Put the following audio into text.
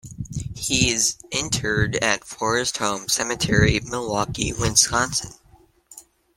He is interred at Forest Home Cemetery, Milwaukee, Wisconsin.